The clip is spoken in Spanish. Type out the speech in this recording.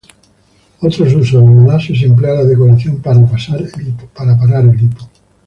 Otros usos: En Malasia se emplea la decocción para parar el hipo.